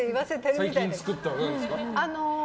最近作ったものは何ですか？